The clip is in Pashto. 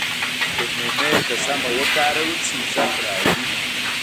• شتمني که سمه وکارول شي، عزت راوړي.